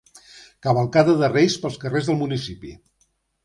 Cavalcada dels Reis pels carrers del municipi.